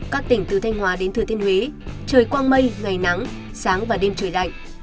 các tỉnh từ thanh hóa đến thừa thiên huế trời quang mây ngày nắng sáng và đêm trời lạnh